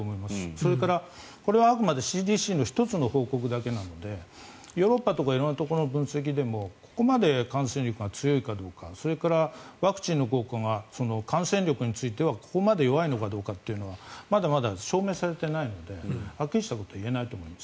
それから、これはあくまでＣＤＣの１つの報告だけなのでヨーロッパとか色々なところの分析ではここまで感染力が強いかどうかそれからワクチンの効果が感染力についてはここまで弱いのかどうかというのはまだまだ証明されていないのではっきりしたことは言えないと思います。